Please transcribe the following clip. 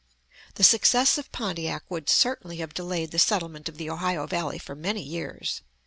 The success of Pontiac would certainly have delayed the settlement of the Ohio valley for many years.